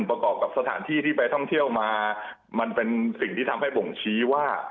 ประกอบกับสถานที่ที่ไปท่องเที่ยวมามันเป็นสิ่งที่ทำให้บ่งชี้ว่า